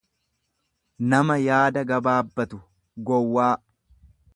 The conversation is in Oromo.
nama yaada gabaabbatu, gowwaa.